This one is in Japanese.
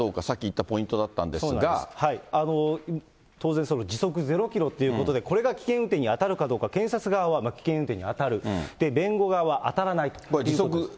さっき言ったポイントだったんでそうなんです、当然、時速０キロということで、これが危険運転に当たるかどうか、検察側は危険運転に当たる、弁護側、当たらないと。